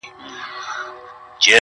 او د نیکه نکلونه نه ختمېدل-